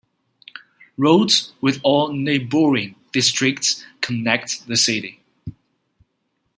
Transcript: Roads with all neighbouring districts connect the city.